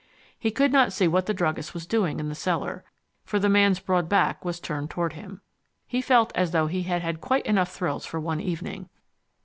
He could not see what the druggist was doing in the cellar, for the man's broad back was turned toward him. He felt as though he had had quite enough thrills for one evening.